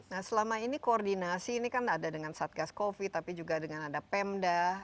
nah selama ini koordinasi ini kan ada dengan satgas covid tapi juga dengan ada pemda